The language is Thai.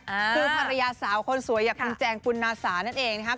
คือภรรยาสาวคนสวยอย่างคุณแจงปุณนาสานั่นเองนะครับ